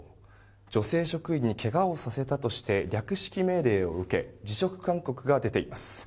女性職員にけがをさせたとして略式命令を受け辞職勧告が出ています。